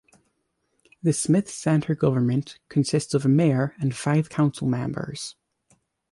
The Smith Center government consists of a mayor and five council members.